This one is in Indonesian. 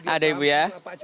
ada ibu ya